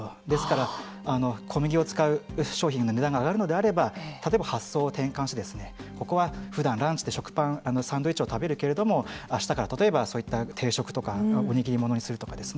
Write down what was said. ですから、小麦を使う商品の値段が上がるのであれば例えば発想を転換してここはふだんランチでサンドイッチを食べるけれどもあしたから、例えば定食とかおにぎりものにするとか。